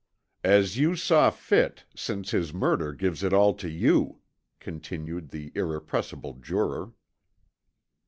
"As you saw fit, since his murder gives it all to you," continued the irrepressible juror.